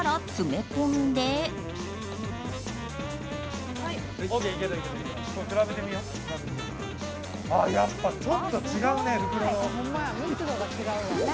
やっぱちょっと違うね。